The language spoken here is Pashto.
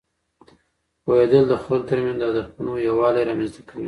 پوهېدل د خلکو ترمنځ د هدفونو یووالی رامینځته کوي.